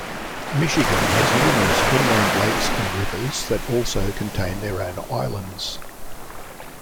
Michigan has numerous inland lakes and rivers that also contain their own islands.